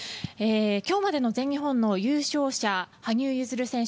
今日までの全日本の優勝者、羽生結弦選手